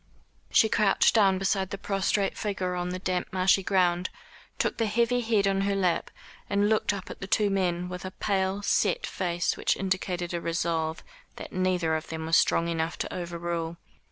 She crouched down beside the prostrate figure on the damp marshy ground, took the heavy head on her lap, and looked up at the two men with a pale set face which indicated a resolve that neither of them was strong enough to overrule.